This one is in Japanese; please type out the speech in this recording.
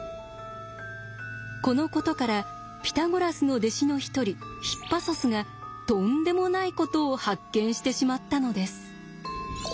このことからピタゴラスの弟子の一人ヒッパソスがとんでもないことを発見してしまったのです。